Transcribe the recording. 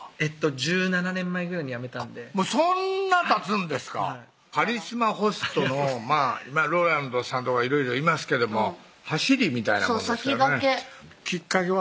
１７年前ぐらいに辞めたんでそんなたつんですかはいカリスマホストの今ＲＯＬＡＮＤさんとかいろいろいますけども走りみたいなもんですからねそう先駆けきっかけは？